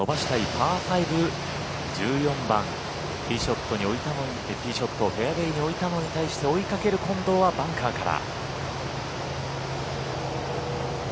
パー５、１４番ティーショットをフェアウエーに置いたのに対して追いかける近藤はバンカーから。